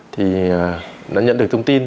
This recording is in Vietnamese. thì đã nhận được thông tin